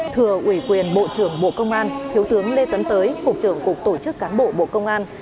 thừa ủy quyền bộ trưởng bộ công an thiếu tướng lê tấn tới cục trưởng cục tổ chức cán bộ bộ công an